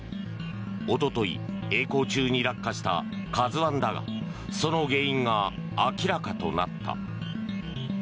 おととい、えい航中に落下した「ＫＡＺＵ１」だがその原因が明らかとなった。